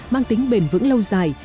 mang tính bền vững lâu dài